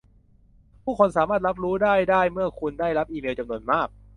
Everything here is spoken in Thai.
ผู้คนสามารถรับรู้ได้ได้เมื่อคุณได้รับอีเมลจำนวนมาก